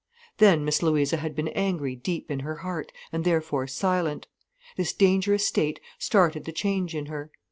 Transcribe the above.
Then Miss Louisa had been angry deep in her heart, and therefore silent. This dangerous state started the change in her.